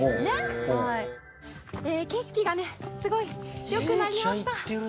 景色がねすごい良くなりました。